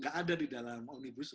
gak ada di dalam unibus